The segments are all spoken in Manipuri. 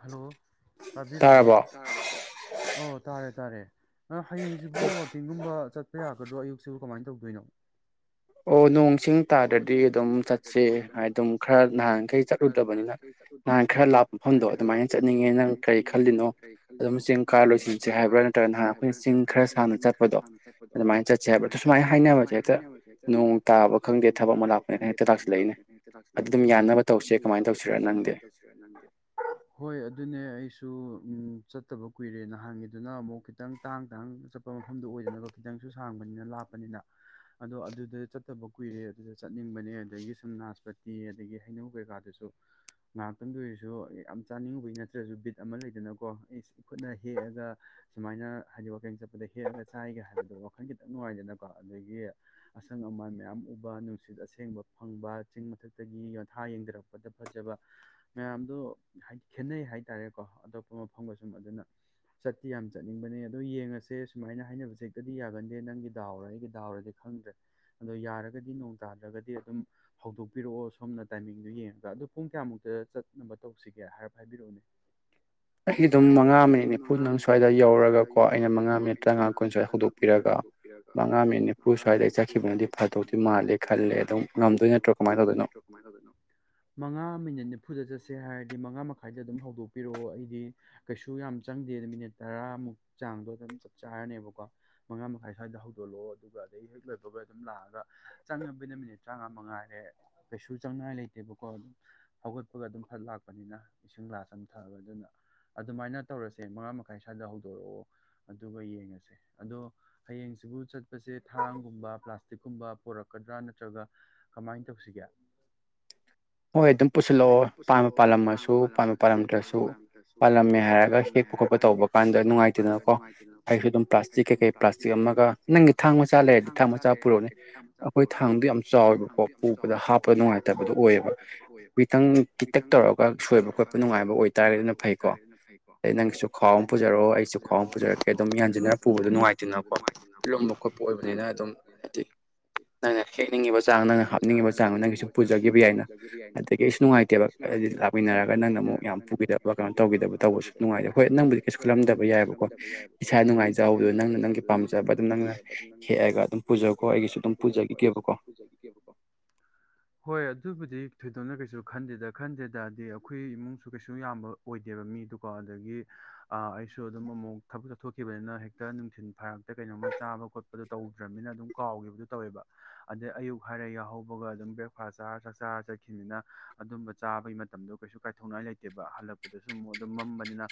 ꯍꯜꯂꯣ ꯇꯥꯕꯤꯔꯕꯣ ꯑꯧ ꯇꯥꯔꯦ ꯇꯥꯔꯦ ꯍꯌꯦꯡꯁꯤꯕꯨ ꯋꯥꯛꯀꯤꯡꯒꯨꯝꯕ ꯆꯠꯄ ꯌꯥꯒꯗ꯭ꯔꯣ ꯑꯌꯨꯛꯁꯤꯕꯨ ꯀꯃꯥꯏꯅ ꯇꯧꯗꯣꯏꯅꯣ ꯑꯣ ꯅꯣꯡ ꯏꯁꯤꯡ ꯇꯥꯗ꯭ꯔꯗꯤ ꯑꯗꯨꯝ ꯆꯠꯁꯦ ꯍꯥꯏ ꯑꯗꯨꯝ ꯈꯔ ꯅꯍꯥꯟꯈꯩ ꯆꯠꯂꯨꯗꯕꯅꯤꯅ ꯅꯍꯥꯟ ꯈꯔ ꯂ ꯃꯐꯝꯗꯣ ꯑꯗꯨꯃꯥꯏꯅ ꯆꯠꯅꯤꯡꯉꯦ ꯅꯪ ꯀꯔꯤ ꯈꯜꯂꯤꯅꯣ ꯑꯗꯨꯣ ꯆꯦꯡ ꯀꯥꯔ ꯂꯣꯏꯁꯤꯟꯁꯦ ꯍꯥꯏꯕ꯭ꯔꯥ ꯅꯠꯇ꯭ꯔꯒ ꯅꯍꯥꯟ ꯑꯩꯈꯣꯏ ꯅꯠꯇ꯭ꯔꯒ ꯅꯍꯥꯟ ꯑꯩꯈꯣꯏ ꯆꯤꯡ ꯈꯔ ꯁꯝꯅ ꯆꯠꯄꯗꯣ ꯑꯗꯨꯃꯥꯏꯅ ꯆꯠꯁꯦ ꯍꯥꯏꯕ ꯑ ꯁꯨꯃꯥꯏꯅ ꯍꯥꯏꯅꯕꯁꯦꯦ ꯅꯣꯡ ꯇꯥꯕ ꯅꯣꯡ ꯇꯥꯕ ꯈꯪꯗꯦ ꯊꯕꯛ ꯑꯃ ꯂꯥꯛꯄꯅꯦꯅ ꯍꯦꯛꯇ ꯂꯥꯛꯁꯤꯜꯂꯛꯏꯅꯦ ꯑꯗꯨ ꯑꯗꯨꯝ ꯌꯥꯅꯕ ꯇꯧꯁꯦ ꯀꯃꯥꯏꯅ ꯇꯧꯁꯤꯔ ꯅꯪꯗꯤ ꯍꯣꯏ ꯑꯗꯨꯅꯦ ꯑꯩꯁꯨ [unintelligible] ꯆꯠꯇꯕ ꯀꯨꯏꯔꯦꯅ ꯍꯥꯡꯉꯤꯗꯨꯅ ꯑꯃꯨꯛ ꯈꯤꯇꯪ ꯇꯥꯡ ꯇꯥꯡ ꯆꯠꯄ ꯃꯐꯝꯗꯨ ꯑꯣꯏꯗꯅꯕ ꯈꯤꯇꯪꯁꯨ ꯁꯥꯡꯕꯅꯤꯅ ꯂꯥꯞꯄꯅꯤꯅ ꯑꯗꯣ ꯑꯗꯨꯗ ꯆꯠꯇꯕ ꯀꯨꯏꯔꯦ ꯑꯗꯨꯗ ꯆꯠꯅꯤꯡꯕꯅꯦ ꯑꯗꯒꯤ ꯁꯝꯅꯥꯁꯄꯇꯤ ꯑꯗꯒꯤ ꯍꯩꯅꯧ ꯀꯩꯀꯥꯗꯨꯁꯨ ꯉꯥꯏꯍꯥꯛꯇꯪꯗ ꯑꯣꯏꯔꯁꯨ ꯌꯥꯝ ꯆꯥꯅꯤꯡꯉꯨꯕꯩ ꯅꯠꯇ꯭ꯔꯁꯨ ꯕꯤꯠ ꯑꯃ ꯂꯩꯗꯅꯀꯣ ꯑꯩ ꯈꯨꯠꯅ ꯍꯦꯛꯑꯒ ꯁꯨꯃꯥꯏꯅ ꯍꯥꯏꯗꯤ ꯋꯥꯋꯀꯡ ꯆꯠꯄꯗ ꯍꯦꯛꯑꯒ ꯆꯥꯏꯒꯦ ꯍꯥꯏꯕꯗꯣ ꯋꯥꯈꯜ ꯈꯤꯇꯪ ꯅꯨꯡꯉꯥꯏꯗꯅꯀꯣ ꯑꯗꯒꯤ ꯑꯁꯪ [unintelligible] ꯎꯕ ꯅꯨꯡꯁꯤꯠ ꯑꯁꯦꯡꯕ ꯐꯪꯕ ꯆꯤꯡ ꯃꯊꯛꯇꯒꯤ ꯌꯣꯟꯊꯥ ꯌꯦꯡꯊꯔꯛꯄꯗ ꯐꯖꯕ ꯃꯌꯥꯝ ꯑꯗꯣ ꯍꯥꯏꯗꯤ ꯈꯦꯠꯅꯩ ꯍꯥꯏꯇꯥꯔꯦꯀꯣ ꯑꯇꯣꯞꯄ ꯃꯐꯝꯒ ꯁꯨꯝ ꯑꯗꯨꯅ ꯆꯠꯇꯤ ꯌꯥꯝ ꯆꯠꯅꯤꯡꯕꯅꯦ ꯑꯗꯣ ꯌꯦꯡꯉꯁꯦ ꯁꯨꯃꯥꯏꯅ ꯍꯥꯏꯅꯕꯁ ꯍꯛꯇꯗꯤ ꯌꯥꯒꯟꯗꯦ ꯅꯪꯒꯤ ꯗꯥꯎꯔꯣ ꯑꯩꯒꯤ ꯗꯥꯎꯔꯗꯤ ꯈꯪꯗ꯭ꯔꯦ ꯑꯗꯣ ꯌꯥꯔꯒ ꯅꯣꯡ ꯇꯗ꯭ꯔꯒꯗꯤ ꯑꯗꯨꯝ ꯍꯧꯗꯣꯛꯄꯤꯔꯛꯑꯣ ꯁꯣꯝꯅ ꯇꯥꯏꯡꯗꯨ ꯌꯦꯡꯉ ꯑꯗꯨ ꯄꯨꯡ ꯀꯌꯥꯃꯨꯛꯇ ꯆꯠ ꯇꯧꯁꯤꯒꯦ ꯍꯥꯏꯔ ꯍꯥꯏꯕꯤꯔꯛꯎꯅꯦ [unintelligible] ꯑꯩꯒꯤ ꯑꯗꯨꯝ ꯃꯉꯥ ꯃꯤꯅꯤꯠ ꯅꯤꯐꯨ ꯅꯪ ꯁ꯭ꯋꯥꯏꯗ ꯌꯧꯔꯒꯀꯣ ꯑꯩꯅ ꯃꯉꯥ ꯃꯤꯅꯤꯠ ꯇꯔꯥꯉꯥ ꯀꯨꯟ ꯁ꯭ꯋꯥꯏꯗ ꯍꯧꯗꯣꯛꯄꯤꯔꯒ ꯃꯉꯥ ꯃꯤꯅꯤ ꯄꯨ ꯁ꯭ꯋꯥꯏꯗꯩ ꯆꯠꯈꯤꯕꯅꯗꯤ ꯐꯗꯧꯗꯤ ꯈ ꯃꯥꯜꯂꯦ ꯈꯜꯂꯦ ꯑꯗꯨꯝ ꯉꯝꯗꯣꯏ ꯅꯠꯇ꯭ꯔꯣ ꯀꯃꯥꯏꯅ ꯇꯧꯗꯣꯏꯅꯣ ꯃꯉꯥ ꯃꯤꯅꯤꯠꯅꯤ ꯐꯨꯗ ꯆꯠꯁꯦ ꯍꯥꯏꯔꯗꯤ ꯃꯉꯥ ꯃꯈꯥꯏꯗ ꯑꯗꯨꯝ ꯍꯧꯗꯣꯛꯄꯤꯔꯛꯑꯣ ꯑꯩꯗꯤ ꯀꯩꯁꯨ ꯌꯥꯝ ꯆꯪꯗꯦ ꯃꯤꯅꯤꯠ ꯇꯔꯥ ꯑꯃꯨꯛ ꯆꯥꯡꯗꯣ ꯑꯗꯨꯝ ꯆꯞ ꯆꯥꯔꯅꯦꯕꯀꯣ ꯃꯉꯥ ꯃꯈꯥꯏ ꯁ꯭ꯋꯥꯏꯗ ꯍꯧꯗꯣꯛꯂꯛꯑꯣ ꯑꯗꯨꯒ ꯑꯗꯒꯤ ꯍꯦꯛ ꯂꯣꯏꯕꯈꯣꯏ ꯑꯗꯨꯝ ꯂꯥꯛꯑꯒ ꯆꯪꯉꯕꯅꯤꯅ ꯃꯤꯅꯤꯠ ꯇꯔꯥꯃꯉꯥ ꯃꯉꯥꯏꯔꯦ ꯀꯩꯁꯨ ꯆꯪꯅꯤꯉꯥꯏ ꯂꯩꯇꯦꯕꯀꯣ ꯑꯗꯨꯝ ꯍꯧꯒꯠꯄꯒ ꯑꯗꯨꯝ ꯈꯔ ꯂꯥꯛꯄ ꯆꯛꯄꯅꯤꯅ ꯏꯁꯤꯡ ꯂꯥ ꯆꯝꯊꯛꯑꯕ ꯑꯗꯨꯅ ꯑꯗꯨꯃꯥꯏꯅ ꯇꯧꯔꯁꯦ ꯃꯉꯥ ꯃꯈꯥꯏ ꯁ꯭ꯋꯥꯏꯗ ꯍꯧꯗꯣꯔꯛꯑꯣ ꯑꯗꯨꯒ ꯌꯦꯡꯉꯁꯦ ꯑꯗꯣ ꯍꯌꯦꯡ ꯁꯤꯕꯨ ꯆꯠꯄꯁꯦ ꯊꯥꯡꯒꯨꯝꯕ ꯄ꯭ꯂꯥꯁꯇꯤꯛꯀꯨꯝꯕ ꯄꯔꯛꯀꯗ꯭ꯔꯥ ꯅꯠꯇ꯭ꯔꯒ ꯀꯃꯥꯏꯅ ꯇꯧꯁꯤꯒꯦ [unintelligible] ꯍꯣꯏ ꯑꯗꯨꯝ ꯄꯨꯁꯤꯜꯂꯛꯑꯣ ꯄꯥꯟꯕ ꯄꯥꯜꯂꯝꯃꯁꯨ ꯄꯥꯟꯕ ꯄꯥꯜꯂꯝꯗ꯭ꯔꯁꯨ ꯄꯥꯜꯂꯝꯃꯦ ꯍꯥꯏꯔꯒ ꯍꯦꯛ ꯄꯨꯈꯠꯄ ꯇꯧꯕ ꯀꯥꯟꯗ ꯅꯨꯡꯉꯥꯏꯇꯦꯗꯅꯀꯣ ꯑꯩꯁꯨ ꯑꯗꯨꯝ ꯄ꯭ꯂꯥꯁꯇꯤꯛ ꯀꯩ ꯀꯩ ꯄ꯭ꯂꯥꯁꯇꯤꯛ ꯑꯃꯒ ꯅꯪꯒꯤ ꯊꯥꯡ ꯃꯆꯥ ꯂꯩꯔꯗꯤ ꯊꯥꯡ ꯃꯆꯥ ꯄꯨꯔꯛꯅꯦ ꯑꯩꯈꯣꯏ ꯊꯥꯡꯗꯣ ꯌꯥꯝ ꯆꯥꯎꯋꯦꯕꯀꯣ ꯄꯨꯕꯗ ꯍꯥꯞꯄꯗ ꯅꯨꯡꯉꯥꯏꯇꯕꯗꯣ ꯑꯣꯏꯌꯦꯕ ꯈꯤꯇꯪ ꯄꯤꯛꯇꯛ ꯇꯧꯔꯒ ꯁꯣꯏꯕ ꯈꯣꯠꯄ ꯅꯨꯡꯉꯥꯏꯕ ꯑꯣꯏꯇꯥꯔꯦ ꯑꯗꯨꯅ ꯐꯩꯀꯣ ꯑꯗꯩ ꯅꯪ ꯑꯩꯁꯨ ꯈꯥꯎ ꯑꯃ ꯄꯨꯖꯔꯛꯑꯣ ꯑꯩꯁꯨ ꯈꯥꯎ ꯑꯃ ꯄꯨꯖꯔꯛꯀꯦ ꯑꯗꯨꯝ ꯌꯥꯟꯁꯤꯟꯅꯔ ꯄꯨꯕꯗ ꯅꯨꯡꯉꯥꯏꯇꯗꯅꯀꯣ ꯂꯨꯝꯕ ꯈꯣꯠꯄ ꯑꯣꯏꯕꯅꯤ ꯑꯩꯅ ꯑꯗꯨꯝ ꯍꯥꯏꯗꯤ ꯅꯪꯅ ꯍꯦꯛꯅꯤꯡꯉꯤꯕ ꯆꯥꯡ ꯅꯪꯅ ꯍꯥꯞꯅꯤꯡꯉꯤꯕ ꯆꯥꯡ ꯅꯪꯒꯤ ꯁꯨꯝ ꯄꯨꯖꯈꯤꯕ ꯌꯥꯏꯅ ꯑꯗꯒꯤ ꯑꯩꯁꯨ ꯅꯨꯡꯉꯥꯏꯇꯦꯕ ꯍꯥꯏꯗꯤ ꯂꯥꯛꯃꯤꯟꯅꯔꯒ ꯅꯅ ꯑꯃꯨꯛ ꯌꯥꯝ ꯄꯨꯈꯤꯗꯕ ꯀꯩꯅꯣ ꯇꯧꯈꯤꯗꯕ ꯇꯧꯕꯁꯨ ꯅꯨꯡꯉꯥꯏꯇꯦꯕ ꯍꯣꯏ ꯅꯪꯕꯨꯗꯤ ꯀꯩꯁꯨꯜꯂꯝꯗꯕ ꯌꯥꯏꯑꯕꯀꯣ ꯏꯁꯥ ꯅꯨꯡꯉꯥꯏꯖꯍꯧꯕꯗꯣ ꯅꯪꯅ ꯅꯪꯒꯤ ꯄꯥꯝꯖꯕ ꯑꯗꯨꯝ ꯅꯪꯅ ꯍꯦꯛꯑꯒ ꯑꯗꯨꯝ ꯄꯨꯖꯈꯣ ꯑꯩꯒꯤꯁꯨ ꯑꯗꯨꯝ ꯍꯣꯏ ꯍꯣꯏ ꯑꯗꯨꯕꯨꯗꯤ ꯊꯣꯏꯗꯣꯛꯅ ꯀꯩꯁꯨ ꯈꯟꯗꯦꯗ ꯈꯟꯗꯦꯗꯗꯤ ꯑꯩꯈꯣꯏ ꯏꯃꯨꯡꯁꯨ ꯀꯩꯁꯨ ꯌꯥꯝꯕ ꯑꯣꯏꯗꯦꯕ ꯃꯤꯗꯨꯀꯣ ꯑꯗꯒꯤ ꯑꯩꯁꯨ ꯑꯗꯨꯝ ꯑꯃꯨꯛ ꯊꯕꯛ ꯆꯠꯊꯣꯛꯈꯤꯕꯅꯤꯅ ꯍꯦꯛꯇ ꯅꯨꯡꯊꯜ ꯐꯥꯔꯛꯇ ꯀꯩꯅꯣꯝꯃ ꯆꯥꯕ ꯈꯣꯠꯄ ꯄꯗꯣ ꯇꯧꯗ꯭ꯔꯕꯅꯤꯅ ꯑꯗꯨꯝ ꯀꯥꯎꯈꯤꯕꯗꯨ ꯇꯧꯋꯦꯕ ꯑꯗꯩ ꯑꯌꯨꯛ ꯍꯥꯏꯔ ꯌꯥꯎꯍꯧꯕꯒ ꯑꯗꯨꯝ ꯕ꯭ꯔꯦꯛꯐꯥꯁ ꯆꯔ ꯆꯠꯈꯤꯅꯤꯅ ꯑꯗꯨꯝꯕ ꯆꯥꯕꯒꯤ ꯃꯇꯝꯗꯣ ꯀꯥꯏꯊꯣꯛꯅꯤꯡꯉꯥꯏ ꯂꯩꯇꯦꯕ ꯍꯜꯂꯛꯄꯗꯁꯨ ꯑꯃꯨ ꯑꯗꯨꯝ ꯃꯝꯕꯅꯤꯅ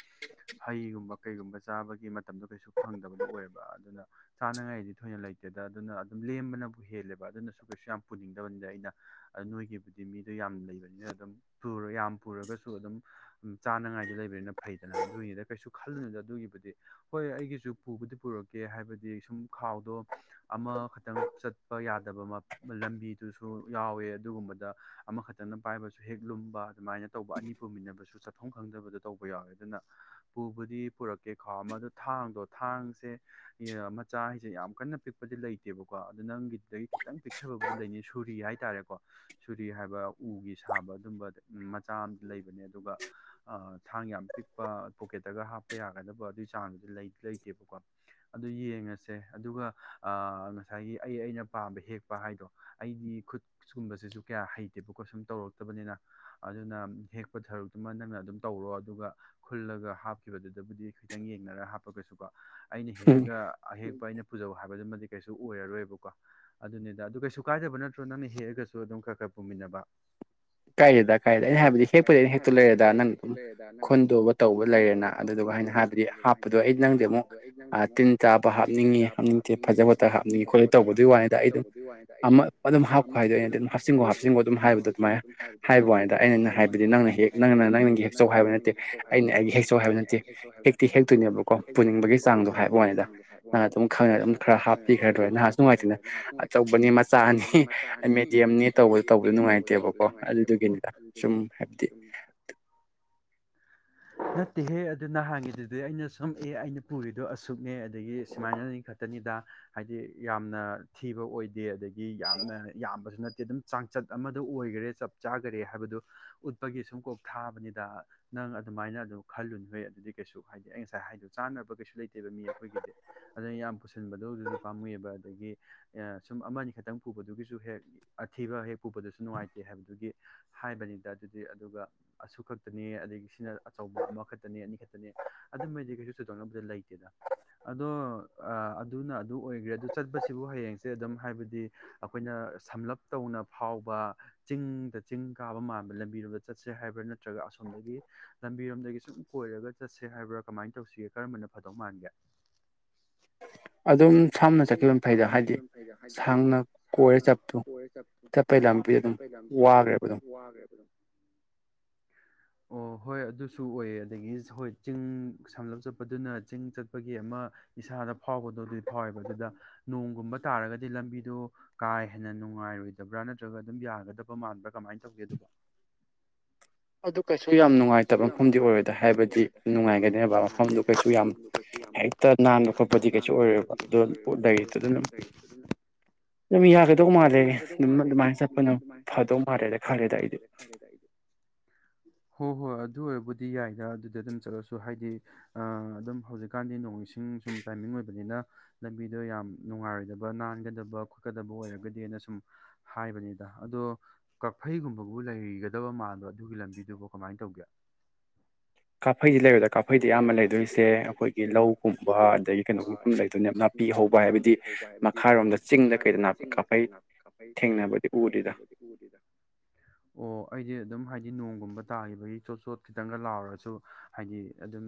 ꯍꯩꯒꯨꯝꯕ ꯀꯩꯒꯨꯝꯕ ꯆꯥꯕꯒꯤ ꯀꯩ ꯐꯪꯗꯕꯗꯨ ꯑꯣꯏꯕ ꯑꯗꯨꯅ ꯆꯥꯅꯉꯥꯏꯗꯤ ꯊꯣꯏꯅ ꯂꯩꯇꯦꯗ ꯑꯗꯨꯅ ꯂꯦꯝꯕꯅꯕꯨ ꯍꯦꯜꯂꯦꯕ ꯑꯗꯨꯅꯁꯨ ꯀꯩꯁꯨ ꯌꯥꯝ ꯄꯨꯅꯤꯡꯗꯕꯅꯤꯗ ꯑꯩꯅ ꯑꯗꯨ ꯅꯣꯏꯒꯤꯕꯨꯗꯤ ꯃꯤꯗꯣ ꯌꯥꯝ ꯂꯩꯕꯅꯤꯅ ꯑꯗꯨꯝ ꯌꯥꯝ ꯄꯨꯔꯒꯁꯨ ꯑꯗꯨꯝꯝ ꯆꯥꯅꯉꯥꯏꯗꯤ ꯂꯩꯕꯅꯤꯅ ꯐꯩꯗꯅ ꯑꯗꯨꯏꯅꯤꯗ ꯀꯩꯁꯨ ꯈꯜꯂ ꯑꯗꯨꯒꯤꯕꯨꯗꯤ ꯍꯣꯏ ꯑꯩꯒꯤꯁꯨ ꯄꯨꯕꯨꯗꯤ ꯄꯨꯔꯛꯀꯦ ꯍꯥꯏꯕꯗꯤ ꯁꯨꯝ ꯈꯥꯎꯗꯣ ꯑꯃ ꯈꯤꯇꯪ ꯆꯠꯄ ꯌꯥꯗꯕ ꯂꯝꯕꯤꯗꯨꯁꯨ ꯌꯥꯎꯋꯦ ꯑꯗꯨꯒꯨꯝꯕꯗ ꯑꯃꯈꯛꯇꯪꯅ ꯄꯥꯏꯕꯁꯨ ꯍꯦꯛ ꯂꯨꯝꯕ ꯑꯗꯨꯃꯥꯏꯅ ꯇꯧꯕ ꯑꯅꯤ ꯄꯨꯃꯤꯟꯅꯕꯁꯨ ꯆꯠꯐꯝ ꯈꯪꯗꯕꯗ ꯇꯧꯕ ꯌꯥꯎꯋꯦ ꯑꯗꯨꯅ ꯄꯨꯕꯨꯗꯤ ꯄꯨꯔꯛꯀꯦ ꯈ ꯑꯃ ꯑꯗꯣ ꯊꯥꯡꯗꯣ ꯊꯥꯡꯁꯦ ꯃꯆꯥ ꯍꯥꯏꯁꯦ ꯌꯥꯝ ꯀꯟꯅ ꯄꯤꯛꯄꯗꯤ ꯂꯩꯇꯦ ꯕꯀꯣ ꯑ ꯅꯪꯒꯤꯗꯨꯗꯒꯤ ꯈꯤꯇꯪ ꯄꯤꯛꯊꯕꯕꯨꯗꯤ ꯂꯩꯅꯤ ꯁꯣꯔꯤ ꯍꯥꯏꯇꯥꯔꯦꯀꯣ ꯁꯣꯔꯤ ꯍꯥꯏꯕ ꯎꯒꯤ ꯁꯥꯕ ꯑꯗꯨꯝꯕ ꯃꯆꯥ ꯑꯝ ꯂꯩꯕꯅꯦ ꯑꯗꯨꯒ ꯊꯥꯡ ꯌꯥꯝ ꯄꯤꯛꯄ ꯄꯣꯀꯦꯠꯇꯒ ꯍꯥꯞꯄ ꯌꯥꯒꯗꯕ ꯑꯗꯨꯒꯤ ꯆꯥꯡꯗꯨꯗꯤ ꯂꯩꯗꯤ ꯂꯩꯇꯦꯕꯀꯣ ꯑꯗꯨ ꯌꯦꯡ ꯦ ꯑꯗꯨꯒ ꯉꯁꯥꯏꯒꯤ ꯑꯩ ꯑꯩꯅ ꯄꯥꯝꯕ ꯍꯦꯛꯄ ꯍꯥꯏꯗꯣ ꯑꯩꯗꯤ ꯈꯨꯠꯒꯨꯝꯕꯁꯤꯁꯨ ꯀꯌꯥ ꯍꯩꯇꯦꯕꯀꯣ ꯁꯨꯝ ꯇꯧꯔꯛꯇ ꯅꯤꯅ ꯑꯗꯨꯅ ꯍꯦꯛꯄ ꯊꯔꯨꯛꯇꯨꯃ ꯅꯪꯅ ꯑꯗꯨꯝ ꯇꯧꯔꯣ ꯑꯗꯨꯒ ꯈꯨꯜꯂꯒ ꯍꯥꯞꯈꯤꯕꯗꯨꯗ ꯑꯗꯨꯕꯨꯗꯤ ꯈꯤꯇꯪ ꯌꯦꯡꯅꯔꯒ ꯍꯥꯞꯄꯒꯁꯨꯀꯣ ꯑꯩꯅ ꯍꯦꯛꯑꯒ ꯑꯍꯦꯛꯄ ꯑꯩꯅ ꯄꯨꯖꯧ ꯍꯥꯏꯕꯗꯨꯃ ꯨ ꯑꯣꯏꯔꯔꯣꯏꯕꯀꯣ ꯑꯗꯨꯅꯤꯗ ꯑꯗꯨ ꯀꯩꯁꯨ ꯀꯥꯏꯗꯕ ꯅꯠꯇ꯭ꯔꯣ ꯅꯪꯅ ꯍꯦꯛꯑꯒꯁꯨ ꯑꯗꯨꯝ ꯈꯔ ꯈꯔ ꯄꯨꯃꯤꯟꯅꯕ ꯀꯥꯏꯔꯦꯗ ꯀꯥꯏꯦꯗ ꯑꯩꯅ ꯍꯥꯏꯕꯗꯤ ꯍꯦꯛꯄꯨꯗꯤ ꯑꯩꯅ ꯍꯦꯛꯇꯨ ꯂꯩꯔꯦꯗ ꯅꯪ ꯑꯗꯨꯝ ꯈꯣꯟꯗꯣꯛꯑꯒ ꯇꯧꯕ ꯂꯩꯔꯦꯅ ꯑꯗꯨ ꯑꯗꯨꯒ ꯍꯥꯏꯅ ꯍꯥꯏꯕꯗꯤ ꯍꯥꯞꯄꯗꯣ ꯑꯩ ꯅꯪꯗꯤ ꯑꯃꯨꯛ ꯇꯤꯟ ꯇꯥꯕ ꯍꯥꯞꯅꯤꯡꯉꯤ ꯍꯥꯞꯅꯤꯡꯗꯦ ꯐꯖ ꯐꯖ ꯈꯣꯠꯂꯤꯦ ꯇꯧꯕꯗꯨꯒꯤ ꯋꯥꯅꯤꯗ ꯑꯩ ꯑꯗꯨꯝ ꯑꯃ ꯑꯗꯨꯝ ꯍꯥꯞꯈꯣ ꯍꯥꯏꯗꯣ ꯑꯩꯅꯗꯤ ꯑꯗꯨꯝ ꯍꯥꯞꯆꯤꯟꯈꯣ ꯍꯥꯞꯆꯤꯟꯈꯣ ꯑꯗꯨꯝ ꯍꯥꯏꯕꯗꯣ ꯑꯗꯨꯃꯥꯏꯅ ꯍꯥꯏꯕ ꯋꯥꯗ ꯑꯩꯅ ꯍꯥꯏꯕꯗꯤ ꯅꯪꯅ ꯍꯦꯛ ꯅꯪ ꯅꯪꯒꯤ ꯍꯦꯛꯆꯧ ꯍꯥꯏꯕ ꯅꯠꯇꯦ ꯑꯩꯅ ꯑꯩꯒꯤ ꯍꯦꯛꯆꯧ ꯍꯥꯏꯕ ꯅꯠꯇꯦ ꯍꯦꯛꯆꯧ ꯍꯥꯏꯕ ꯅꯠꯇꯦ ꯍꯦꯛꯇꯤ ꯍꯦꯛꯇꯣꯏꯅꯦꯕꯀꯣ ꯄꯨꯅꯤꯡꯕꯒꯤ ꯆꯥꯡꯗꯣ ꯍꯥꯏꯕ ꯋꯥꯅꯤꯗ ꯑꯗꯨꯝ ꯈꯪꯅ ꯅꯍꯥꯁꯨ ꯅꯨꯡꯉꯥꯏꯇꯦꯅ ꯑꯆꯧꯕꯅꯤ ꯃꯆꯥꯅꯤ ꯑꯩ ꯃꯦꯗꯤꯌꯝꯅꯤ ꯇꯧꯕꯗꯣ ꯇꯧꯕꯗꯨꯣ ꯅꯨꯡꯉꯥꯏꯇꯦꯕꯀꯣ ꯀꯣ ꯑꯗꯨꯗꯨꯒꯤꯅꯤꯗ ꯁꯨꯝ ꯍꯥꯏꯕꯗꯤ ꯅꯠꯇꯦꯍꯦ ꯑꯗꯨ ꯅꯍꯥꯟꯉꯤꯗꯨꯗꯤ ꯑꯩꯅ ꯁꯨꯝ ꯑꯦ ꯑꯩꯅ ꯄꯨꯔꯤꯗꯣ ꯑꯁꯨꯛꯅꯦ ꯑꯗꯒꯤ ꯁꯨꯃꯥꯏꯅꯅꯤ ꯈꯛꯇꯅꯤꯗ ꯍꯥꯏꯗꯤ ꯌꯥꯝꯅ ꯊꯤꯕ ꯑꯣꯏꯗꯦ ꯑꯗꯒꯤ ꯌꯥꯝꯅ ꯌꯥꯝꯕꯁꯨ ꯅꯠꯇꯦ ꯑꯗꯨꯝ ꯆꯥꯡꯆꯠ ꯑꯃꯗ ꯑꯣꯏ ꯆꯞ ꯆꯥꯔꯦ ꯍꯥꯏꯕꯗꯨ ꯎꯠꯄꯒꯤ ꯁꯨꯝ ꯀꯣꯛ ꯊꯥꯕꯅꯤꯗ ꯅꯪ ꯑꯗꯨꯃꯥꯏꯅ ꯑꯗꯨ ꯈꯜꯂꯨ ꯂꯩꯩ ꯑꯗꯨꯗꯤ ꯀꯩꯁꯨ ꯍꯥꯏꯗꯤ ꯑꯩ ꯉꯁꯥꯏ ꯍꯥꯏꯗꯣ ꯆꯥꯟꯅꯕ ꯀꯩꯁꯨ ꯂꯩꯇꯦꯕ ꯃꯤ ꯑꯩꯈꯣꯏꯒꯤꯗꯤ ꯑꯗꯨꯅ ꯌꯥꯝ ꯄꯨꯁꯤꯟꯕꯗꯗꯨ ꯄꯥꯝꯃꯨꯏꯑꯕ ꯑꯗꯒꯤ ꯁꯨꯝ ꯑꯃꯅꯤ ꯑ ꯈꯛꯇꯪ ꯄꯨꯕꯗꯨꯒꯤꯁꯨ ꯍꯦꯛ ꯑꯊꯤꯕ ꯍꯦꯛ ꯄꯨꯕꯗꯁꯨ ꯅꯨꯡꯉꯥꯏꯇꯦ ꯍꯥꯏꯕꯗꯨꯒꯤ ꯍꯥꯏꯕꯅꯤꯗ ꯑꯗꯨꯗꯤ ꯑꯗꯨꯒ ꯑꯁꯨꯛ ꯈꯛꯇꯅꯤ ꯑꯗꯒꯤ ꯁꯤꯅ ꯑꯆꯧꯕ ꯑꯃꯈꯛꯇꯅꯤ ꯑꯗꯨꯗꯤ ꯀ ꯁꯣꯏꯗꯣꯛꯅꯕ ꯂꯩꯇꯦꯗ ꯑꯗꯣ ꯑꯗꯨ ꯑꯣꯏꯈ꯭ꯔꯦ ꯑꯗꯨ ꯆꯠꯄꯕꯁꯤꯕꯨ ꯍꯌꯦꯡꯁꯦ ꯑꯗꯨꯝ ꯍꯥꯏꯕꯗꯤ ꯑꯩꯈꯣꯏꯅ ꯁꯝꯂꯞ ꯇꯧꯅ ꯐꯥꯎꯕ ꯆꯤꯡꯗ ꯆꯤꯡ ꯀꯥꯕ ꯃꯥꯟꯕ ꯂꯝꯕꯤꯔꯣꯝꯗ ꯆꯠꯁꯦ ꯍꯥꯏꯕ꯭ꯔꯥ ꯅꯠꯇ꯭ꯔꯒ ꯑꯁꯣꯝꯗꯒꯤ ꯂꯝꯕꯤꯔꯣꯝꯗꯒꯤ ꯁꯨꯝ ꯀꯣꯏꯔꯒ ꯆꯠꯁꯦ ꯍꯥꯏꯕ꯭ꯔꯥ ꯀꯃꯥꯏꯅ ꯇꯧꯁꯤꯒꯦ ꯀꯔꯝꯕꯅ ꯐꯥꯗꯧ ꯃꯥꯟꯒꯦ [unintelligible] ꯑꯗꯨꯝ ꯁꯝꯅ ꯆꯠꯈꯤꯕ ꯃꯈꯩꯗ ꯍꯥꯏꯗꯤ ꯁꯥꯡꯅ ꯀꯣꯏꯔ ꯆꯞꯄꯨ ꯆꯠꯄꯩꯗ ꯆꯄꯩ ꯂꯝꯄꯤ ꯑꯗꯨ ꯋꯥꯒꯦ [unintelligible] ꯑꯣ ꯍꯣꯏ ꯑꯗꯨꯁꯨ ꯑꯣꯏꯌꯦ ꯑꯗꯒꯤ ꯍꯣꯏ ꯆꯤꯡ ꯁꯝꯂꯞ ꯆꯠꯄꯗꯨꯅ ꯆꯤꯡ ꯆꯠꯄꯒꯤ ꯑꯃ ꯏꯁꯥꯗ ꯐꯥꯎꯕꯗꯣ ꯑꯗꯨꯗꯤ ꯐꯥꯎꯋꯦꯕ ꯑꯗꯨꯗ ꯅꯣꯡꯒꯨꯝꯕ ꯇꯥꯔꯒꯗꯤ ꯂꯝꯕꯤꯗꯨꯣ ꯀꯥ ꯍꯦꯟꯅ ꯅꯨꯡꯉꯥꯏꯔꯣꯏꯗꯕ꯭ꯔꯥ ꯅꯠꯇ꯭ꯔꯒ ꯑꯗꯨꯝ ꯌꯥꯒꯗꯕ ꯃꯥꯟꯕ꯭ꯔꯥ ꯀꯃꯥꯏꯅ ꯇꯧꯒꯦ ꯑꯗꯨꯕ [unintelligible] ꯑꯗꯨ ꯀꯩꯁꯨ ꯌꯥꯝ ꯅꯨꯡꯉꯥꯏꯇꯕ ꯃꯐꯝꯗꯤ ꯑꯣꯏꯔꯣꯏꯗ ꯍꯥꯏꯕꯗꯤ ꯅꯨꯡꯉꯥꯏꯒꯗꯕ ꯃꯐꯝꯗꯨ ꯀꯩꯁꯨ ꯌꯥꯝ ꯍꯦꯛꯇ ꯅꯥꯟꯕ ꯈꯣꯠꯄꯗꯤ ꯀꯩꯁꯨ ꯑꯣꯏꯔꯦꯕ ꯑꯗꯨ ꯂꯩꯔꯤꯗꯨꯗ ꯑꯗꯨꯝ ꯑꯗꯨꯝ ꯌꯥꯒꯗꯧ ꯃꯥꯜꯂꯦ ꯑꯗꯨꯝ ꯑꯗꯨꯃꯥꯏꯅ ꯆꯠꯄꯅ ꯐꯗꯧ ꯃꯥꯜꯂꯦꯅ ꯈꯜꯂꯦꯗ ꯑꯩꯗꯤ ꯍꯣꯏ ꯍꯣꯏ ꯑꯗꯨ ꯑꯣꯏꯔꯕꯨꯗꯤ ꯌꯥꯏꯗ ꯑꯗꯨꯗ ꯑꯗꯨꯝ ꯆꯠꯂꯁꯨ ꯍꯥꯏꯗꯤ ꯑꯗꯨꯝ ꯍꯧꯖꯤꯛꯀꯥꯟꯗꯤ ꯅꯣꯡ ꯏꯁꯤꯡ ꯁꯨꯝ ꯇꯥꯏꯃꯤꯡ ꯑꯣꯏꯕꯅꯤꯅ ꯂꯝꯕꯤꯗꯣ ꯌꯥꯝ ꯅꯨꯡꯉꯥꯏꯔꯣꯏꯗꯕ ꯅꯥꯟꯒꯗꯕ ꯈꯣꯠꯀꯗꯕ ꯑꯣꯏꯔꯒꯗꯤꯅ ꯁꯨꯝ ꯍꯥꯏꯕꯅꯤꯗ ꯑꯗꯣ ꯀꯛꯐꯩꯒꯨꯝꯕꯒꯕꯨ ꯂꯩꯒꯗꯕ ꯃꯥꯟꯕꯣ ꯑꯗꯨꯒꯤ ꯂꯝꯕꯤꯗ ꯑꯗꯨꯕꯨ ꯀꯃꯥꯏꯅ ꯇꯧꯒꯦ ꯀꯥꯐꯩꯗꯤ ꯂꯩꯕꯗ ꯀꯥꯐꯩꯗꯤ ꯑꯌꯥꯝꯕ ꯂꯩꯗꯣꯏꯁꯦ ꯑꯩꯈꯣꯏꯒꯤ ꯂꯧꯒꯨꯝꯕ ꯑꯗꯒꯤ ꯀꯩꯅꯣꯒꯨꯝꯕ ꯑꯃ ꯂꯩꯗꯣꯏꯅꯦꯕ ꯅꯥꯄꯤ ꯍꯧꯕ ꯍꯥꯏꯕꯗꯤ ꯃꯈꯥꯔꯣꯝꯗ ꯆꯤꯡꯗ ꯀꯩꯗ ꯅꯥꯄꯤ ꯀꯥꯝꯄꯩ ꯊꯦꯡꯅꯕꯗꯤ ꯎꯗꯦꯗ [unintelligible] ꯑꯣ ꯑꯩꯗꯤ ꯑꯗꯨꯝ ꯍꯥꯏꯗꯤ ꯅꯣꯡꯒꯨꯝꯕ ꯇꯥꯈꯤꯕꯒꯤ ꯆꯣꯠ ꯆꯣꯠ ꯈꯤꯇꯪꯒ ꯂꯥꯎꯔꯁꯨ ꯍꯥꯏꯗꯤ ꯑꯗꯨꯝ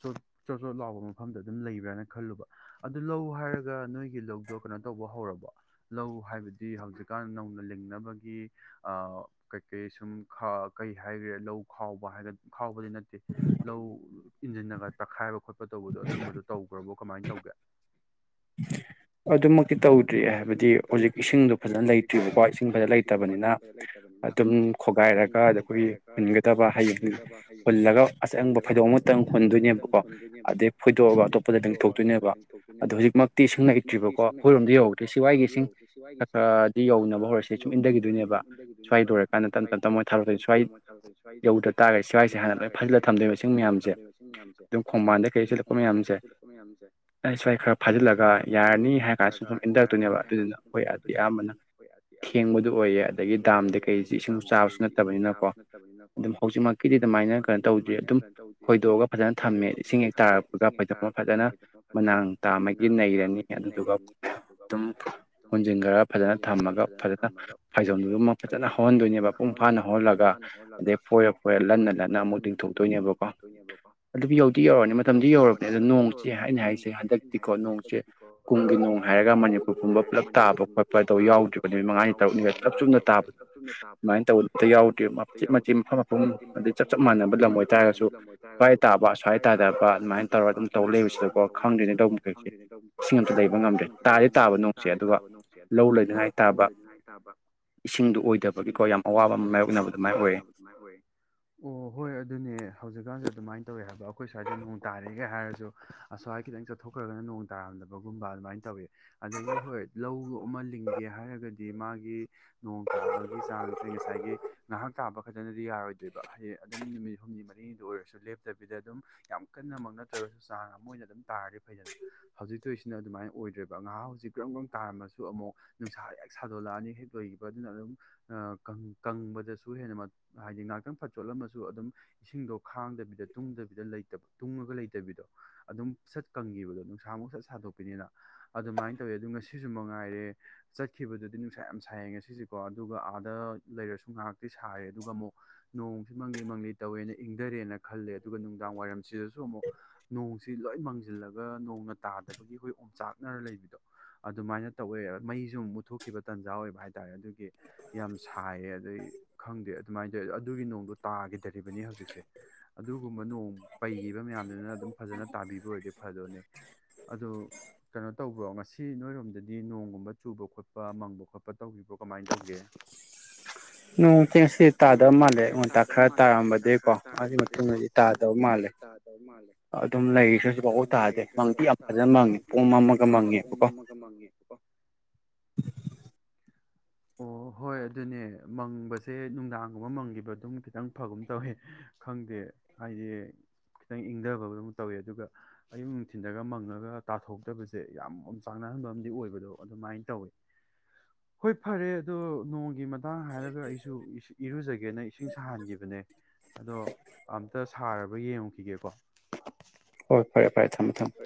ꯆꯣꯠ ꯆꯣꯠ ꯆꯣꯠ ꯂꯥꯎꯕ ꯃꯐꯝꯗꯨ ꯑꯗꯨꯝ ꯂꯩꯕ꯭ꯔꯅ ꯈꯜꯂꯨꯕ ꯑꯗꯨ ꯂꯧ ꯍꯥꯏꯔꯒ ꯅꯣꯏꯒꯤ ꯂꯧꯗꯣ ꯀꯩꯅꯣ ꯇꯧꯕ ꯍꯧꯔꯕ ꯂꯧ ꯍꯥꯏꯕ ꯑꯗꯨꯗꯤ ꯍꯧꯖꯤꯛꯀꯥꯟ ꯅꯧꯅ ꯂꯤꯡꯅꯕꯒꯤ ꯀꯩꯀꯩ ꯁꯨꯝ ꯀꯩ ꯍꯥꯏ ꯍꯥꯏꯔ ꯂꯧ ꯈ ꯈꯥꯎꯕꯗꯤ ꯅꯠꯇꯦ ꯂꯧ ꯏꯟꯁꯤꯟꯒ ꯇꯛꯈꯥꯏꯕ ꯈꯣꯠꯄ ꯇꯧꯕꯗꯣ ꯑꯗꯨꯝꯕꯗꯣ ꯇꯧꯈ꯭ꯔꯕꯣ ꯀꯃꯥꯏꯅ ꯇꯧꯒꯦ ꯑꯗꯨ ꯑꯗꯨꯃ ꯁꯤ ꯇꯧꯗ꯭ꯔꯤꯑ ꯍꯥꯏꯕꯗꯤ ꯍꯧꯖꯤꯛ ꯏꯁꯤꯡꯗꯣ ꯐꯖꯅ ꯂꯩꯇ꯭ꯔꯤꯕꯀꯣ ꯏꯁꯤꯡ ꯐꯖꯅ ꯂꯩꯇꯕꯅꯤꯅ ꯑꯗꯨꯝ ꯈꯣꯒꯥꯏꯔꯒ ꯑ ꯑꯩꯈꯣꯏꯒꯤ ꯍꯨꯟꯒꯗꯕ ꯍꯡ ꯍꯨꯜꯂꯒ ꯑꯆꯪꯕ ꯐꯩꯗꯣꯛ ꯑꯃꯇꯪ ꯍꯨꯟꯗꯣꯏꯅꯤ ꯑꯗꯩ ꯐꯣꯏꯗꯣꯛꯑꯒ ꯑꯇꯣꯞ ꯂꯤꯡꯊꯣꯛꯇꯣꯏꯅꯦꯕ ꯑꯣ ꯍꯧꯖꯤꯛꯃꯛꯇꯤ ꯏꯁꯤꯡ ꯂꯩꯇ꯭ꯔꯤꯕ ꯀꯣ ꯑꯩꯈꯣꯏꯔꯣꯝꯗꯤ ꯌꯧ ꯁꯤꯋꯥꯏꯒꯤ ꯏꯁꯤꯡ ꯈ ꯈꯔꯗꯤ ꯌꯧꯅꯕ ꯍꯧꯔꯁꯦ ꯁꯨꯝ ꯏꯟꯊꯈꯤꯗꯣꯏꯅꯦꯕ ꯁ꯭ꯋꯥꯏ ꯂꯣꯏꯔꯀꯥꯟꯗ ꯇꯞ ꯇꯞꯞ ꯀꯥꯟꯗ ꯇꯞ ꯇꯞ ꯇꯞ ꯊꯕꯛꯁꯁꯨ ꯁ꯭ꯋꯥꯏ ꯌꯧꯗ ꯇꯥꯔꯒ ꯁ꯭ꯋꯥꯏꯁꯦ ꯍꯥꯟꯅ ꯂꯣꯏ ꯐꯖꯂ ꯊꯝꯗꯣꯏꯕ ꯏꯁꯤꯡ ꯃꯌꯥꯝꯁꯦ ꯁꯨꯝ ꯈꯣꯡꯕꯥꯟꯗꯦ ꯀꯩꯁꯨꯜꯂꯛꯄ ꯃꯌꯥꯝꯁꯦ ꯑꯩ ꯁ꯭ꯋꯥꯏ ꯈꯔ ꯐꯥꯖꯤꯜꯂꯒ ꯌꯥꯔꯅꯤ ꯍꯥꯏꯔ ꯀꯥꯟꯗꯁꯨ ꯁꯨꯝ ꯍꯟꯊꯔꯛꯇꯣꯏꯅꯦꯕ ꯑꯗꯨꯗꯨꯅ ꯑꯩꯈꯣꯏ ꯑꯌꯥꯝꯕꯅ ꯊꯦꯡꯕꯗꯨ ꯑꯣꯏꯌꯦ ꯑꯗꯒꯤ ꯗꯥꯝꯗ ꯀꯩꯁꯤ ꯏꯁꯤꯡ ꯆꯥꯕ ꯅꯠꯇꯕꯅꯤꯅꯀꯣ ꯑꯗꯨꯝ ꯍꯧꯖꯤꯛꯃꯛꯀꯤꯗꯤ ꯑꯗꯨꯃꯥꯏꯅ ꯀꯩꯅꯣ ꯇꯧꯗ꯭ꯔꯤ ꯑꯗꯨꯝ ꯈꯣꯏꯗꯣꯛꯑꯒ ꯐꯖꯅ ꯊꯝꯃꯦ ꯏꯁꯤꯡ ꯍꯦꯛ ꯇꯥꯔꯛꯄꯒ ꯐꯣꯏꯗꯄ ꯐꯖꯅ ꯃꯅꯥ ꯇꯥꯃꯒꯤ ꯅꯩꯔꯅꯤ ꯑꯗꯨꯗꯨꯒ ꯑꯗꯨꯝ ꯀꯣꯟꯖꯤꯟ ꯈꯔ ꯐꯖꯅ ꯊꯝꯃꯒ ꯐꯖꯅ ꯐꯥꯏꯖꯣꯝꯗꯨ ꯗꯨꯃꯛ ꯐꯖꯅ ꯍꯧꯍꯟꯗꯣꯏꯅꯦꯕ ꯐꯣꯟꯍꯟꯗꯣꯏꯅꯦꯕ ꯃꯄꯨꯡ ꯐꯥꯅ ꯍꯣꯜꯂꯒ ꯑꯗꯩ ꯐꯣꯏꯔ ꯐꯣꯏꯔ ꯂꯟꯅ ꯅꯟꯅ ꯑꯃꯨꯛ ꯇꯤꯡꯊꯣꯛꯇꯣꯏꯅꯦꯕꯀꯣ ꯃꯇꯝꯗꯤ ꯌꯧꯔꯕꯅꯤ ꯑꯥꯗ ꯅꯣꯡꯁꯦ ꯑꯩꯅꯥ ꯍꯥꯢꯁꯦ ꯍꯟꯗꯛꯇꯤꯀꯣ ꯅꯣꯪꯁꯦ ꯀꯨꯝꯒꯤ ꯍꯥꯏ ꯃꯅꯤꯄꯨꯔꯒꯨꯝꯕ ꯄꯨꯂꯞ ꯇꯥꯕ ꯈꯣꯠꯄ ꯌꯥꯎꯗ꯭ꯔꯤꯕ ꯅꯨꯃꯤꯠ ꯃꯉꯥꯅꯤ ꯇꯔꯨꯛꯅꯤ ꯄꯨꯂꯞ ꯆꯨꯝꯅ ꯇꯥꯕ ꯌꯥꯗꯦ ꯃꯆꯤꯠ ꯃꯆꯤꯠ ꯃꯐꯝ ꯃꯐꯝ ꯑꯩ ꯆꯞ ꯆꯞ ꯃꯥꯟꯅꯕ ꯂꯝ ꯑꯣꯏꯇꯥꯔꯒꯁꯨ ꯥꯏ ꯇꯥꯕ ꯁ꯭ꯋꯥꯏ ꯇꯥꯗꯕ ꯑꯗꯨꯃꯥꯏꯅ ꯇꯧꯔ ꯑꯗꯨꯝ ꯇꯧ ꯂꯩꯕꯁꯤꯗꯀꯣ ꯈꯪꯗ꯭ꯔꯤꯅꯦ ꯇꯧꯕ ꯃꯈꯩꯁꯦ ꯏꯁꯤꯡ ꯑꯝꯇ ꯂꯩꯕ ꯉꯝꯗ꯭ꯔꯦ ꯂꯩ ꯉꯝꯗꯦ ꯇꯥꯗꯤ ꯇꯥꯕ ꯅꯣꯡꯁꯦ ꯑꯗꯨꯒ ꯂꯧ ꯂꯣꯏꯗꯅꯉꯥꯏ ꯇꯥꯕ ꯏꯁꯤꯡꯗꯨ ꯑꯣꯏꯗꯕꯒꯤꯀꯣ ꯌꯥꯝ ꯑꯋꯥꯕ ꯑꯃ ꯃꯥꯏꯌꯣꯛꯅꯕ ꯑꯗꯨꯃꯥꯏ ꯑꯣꯏꯌꯦ ꯑꯣ ꯍꯣꯏ ꯑꯗꯨꯅꯦ ꯍꯧꯖꯤꯛꯀꯥꯟꯁꯤꯗ ꯑꯗꯨꯃꯥꯏꯅ ꯇꯧꯋꯦ ꯍꯥꯏꯕ ꯑꯩꯈꯣꯏ ꯁ꯭ꯋꯥꯏꯗ ꯅꯣꯡ ꯇꯥꯔꯦꯒꯦ ꯍꯥꯏꯔꯁꯨ ꯑꯁ꯭ꯋꯥꯏ ꯈꯤꯇꯪ ꯆꯠꯊꯣꯛꯈ꯭ꯔꯒꯅ ꯅꯣꯡ ꯇꯥꯔꯝꯗꯕꯒꯨꯝꯕ ꯑꯗꯨꯃꯥꯏꯅ ꯇꯧꯋꯤ ꯑꯗꯒꯤ ꯍꯣꯏ ꯂꯧ ꯑꯃ ꯂꯤꯡꯒꯦ ꯍꯥꯏꯔꯒꯗꯤ ꯍꯥꯏꯗꯤ ꯃꯥꯒꯤ ꯅꯣꯡ ꯇꯥꯕꯒꯤ ꯆꯥꯡꯁꯦ ꯉꯁꯥꯏꯒꯤ ꯉꯥꯏꯍꯥꯛ ꯇꯥꯕ ꯈꯛꯇꯅꯗꯤ ꯌꯥꯔꯣꯏꯗꯣꯏꯕ ꯍꯥꯏꯗꯤ ꯑꯗꯨꯝ ꯅꯨꯃꯤꯠ ꯍꯨꯝꯅꯤ ꯃꯔꯤꯅꯤꯗꯨ ꯑꯣꯏꯔꯁꯨ ꯂꯦꯞꯇꯕꯤꯗ ꯑꯗꯨꯝ ꯌꯥꯝ ꯀꯟꯅꯃꯛ ꯅꯠꯇ꯭ꯔꯒꯁꯨ ꯆꯥꯡ ꯑꯃ ꯑꯣꯏꯅ ꯑꯗꯨꯝ ꯇꯥꯔꯦ ꯍꯧꯖꯤꯛꯇꯣꯏꯁꯤꯅ ꯑꯗꯨꯃꯥꯏꯅ ꯑꯣꯏꯗ꯭ꯔꯦ ꯉꯥꯏꯍꯥ ꯍꯧꯖꯤꯛ ꯀ꯭ꯔꯝ ꯀ꯭ꯔꯪ ꯇꯥꯔꯝꯃꯁꯨ ꯑꯃꯨꯛ ꯅꯨꯡꯁꯥ ꯍꯦꯛ ꯁꯥꯗꯣꯛꯂꯛꯑꯅꯤ ꯍꯦꯛ ꯂꯣꯏꯈꯤꯕ ꯑꯗꯨꯅ ꯑꯗꯨꯝ ꯀꯪꯕꯗꯁꯨ ꯍꯦꯟꯅ ꯍꯥꯏꯗꯤ ꯉꯥꯛꯇꯪ ꯐꯠ ꯆꯣꯠꯂꯝꯃꯁꯨ ꯑꯗꯨꯝ ꯏꯁꯤꯡꯗꯣ ꯈꯥꯡꯗꯕꯤꯗ ꯇꯨꯡꯗꯕꯤ ꯂꯩꯇꯕ ꯇꯨꯡꯉꯒ ꯂꯩꯇꯕꯤꯗꯣ ꯑꯗꯨꯝ ꯁꯠ ꯀꯪꯈꯤꯕꯗꯣ ꯅꯨꯡꯁꯥꯃꯨꯛ ꯁꯠ ꯁꯥꯗꯣꯛꯄꯤꯅꯤꯅ ꯑꯗꯨꯃꯥꯏꯅ ꯇꯧꯋꯤ ꯑꯗꯨ ꯉꯁꯤ ꯃꯉꯥꯏꯔꯦ ꯆꯠꯈꯤꯕꯗꯨꯗꯤ ꯅꯨꯡꯁꯥ ꯌꯥꯝ ꯁꯥꯏꯡꯉꯦ ꯁꯤꯁꯦꯀꯣ ꯑꯗꯨꯒ ꯑꯥꯗ ꯂꯩꯔꯁꯨ ꯉꯥꯏꯍꯥꯛꯇꯤ ꯁ ꯊꯥꯏ ꯑꯗꯨꯒ ꯑꯃꯨꯛ ꯅꯣꯡꯁꯤ ꯃꯪꯂꯤ ꯃꯪꯂꯤ ꯇꯧꯋꯦꯅ ꯏꯪꯊꯔꯦꯅ ꯈꯜꯂꯦ ꯑꯗꯨꯒ ꯅꯨꯡꯗꯥꯡ ꯋꯥꯏꯔꯝꯁꯤꯗꯁꯨ ꯑꯃꯨꯛ ꯅꯣꯡꯁꯤ ꯂꯣꯏ ꯃꯥꯡꯁꯤꯜꯂꯒ ꯅꯣꯡꯅ ꯇꯥꯗꯕꯒꯤ ꯑꯩꯈꯣꯏ ꯑꯣꯡꯆꯥꯛ ꯇꯛꯅꯔ ꯂꯩꯕꯗꯣ ꯑꯗꯨꯃꯥꯏꯅ ꯇꯧꯋꯦ ꯃꯩꯁꯨ ꯃꯨꯠꯊꯣꯛꯈꯤꯕ ꯇꯟꯖꯥ ꯑꯣꯏꯕ ꯍꯥꯏ ꯍꯥꯏꯇꯥꯔꯦ ꯑꯗꯨꯒꯤ ꯌꯥꯝ ꯁꯥꯏꯌꯦꯦ ꯑꯩ ꯈꯪꯗꯦ ꯑꯗꯨꯃꯥꯏꯅ ꯇꯧꯋꯤ ꯑꯗꯨꯒꯤ ꯅꯣꯡꯗꯣ ꯇꯥꯈꯤꯗꯔꯤꯕꯅꯤ ꯍꯧ ꯍꯧꯖꯤꯛꯁꯦ ꯑꯗꯨꯒꯨꯝꯕ ꯅꯣꯡ ꯄꯩꯈꯤꯕ ꯃꯌꯥꯝꯗꯨꯅ ꯑꯗꯨꯝ ꯐꯖꯅ ꯇꯥꯕꯤꯕ ꯑꯣꯏꯔꯗꯤ ꯐꯗꯣꯅꯦ ꯑꯗꯨ ꯇꯧꯕ꯭ꯔꯣ ꯉꯁꯤ ꯅꯣꯏꯔꯣꯝꯗꯗꯤ ꯅꯣꯡꯒꯨꯝꯕ ꯆꯨꯕ ꯈꯣꯠꯄ ꯃꯪꯕ ꯈꯣꯠꯄ ꯇꯧꯕꯤꯕ꯭ꯔꯣ ꯀꯃꯥꯏꯅ ꯇꯧꯒꯦ [unintelligible] ꯆꯦꯡꯁꯤ ꯇꯥꯗꯕ ꯃꯥꯜꯂꯦ ꯑꯩꯣꯟꯇꯥꯛ ꯈꯔ ꯇꯥꯔꯝꯕꯗꯒꯤꯀꯣ ꯑꯗꯨꯒꯤ ꯃꯇꯨꯡꯗꯗꯤ ꯇꯥꯗꯕ ꯃꯥꯜꯂꯦ ꯑꯗꯨꯝ ꯂꯩꯔꯤꯁꯨꯁꯨ ꯐꯥꯎꯧ ꯇꯥꯗꯦ ꯃꯪꯗꯤ ꯌꯥꯝ ꯐꯖꯅ ꯃꯪꯉꯦ ꯄꯨꯡ ꯑꯃꯒ ꯃꯪꯉꯦꯕꯀꯣ [unintelligible] ꯑꯣ ꯍꯣꯏ ꯑꯗꯨꯅꯦ ꯃꯪꯕꯁꯦ ꯂꯥꯡꯒꯨꯝꯕ ꯃꯪꯈꯤꯕ ꯑꯗꯨꯝ ꯈꯤꯇꯪ ꯐꯒꯨꯝ ꯇꯧꯋꯦ ꯈꯪꯗꯦ ꯍꯥꯏꯗꯤ ꯈꯤꯇꯪ ꯏꯪꯊꯕ ꯑꯗꯨꯝ ꯇꯧꯋꯤ ꯑꯗꯨꯒ ꯑꯌꯨꯛ ꯅꯨꯡ ꯊꯤꯟꯊꯒ ꯃꯪꯉꯒ ꯇꯥꯊꯣꯛꯇꯕꯁꯦ ꯌꯥꯝ ꯆꯥꯡ ꯅꯥ [unintelligible] ꯒꯤ ꯃꯇꯥꯡ ꯍꯥꯏꯔꯒ ꯑꯩꯁꯨ ꯏꯔꯨꯖꯒꯦꯅ ꯏꯁꯤꯡ ꯁꯥꯍꯟꯈꯤꯕꯅꯦ ꯑꯗꯣ ꯑꯝꯇ ꯁꯥꯔꯕ ꯌꯦꯡꯉꯨ ꯈꯤꯒꯦꯀꯣ ꯍꯣꯏ ꯐꯔꯦ ꯐꯔꯦ ꯊꯝꯃꯦ ꯊꯝꯃꯦ